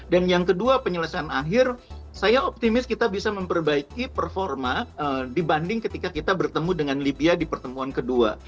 dan yang kedua penyelesaian akhir saya optimis kita bisa memperbaiki performa dibanding ketika kita bertemu dengan libya di pertemuan kedua